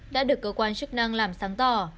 đã được cơ quan chức năng làm sáng tỏ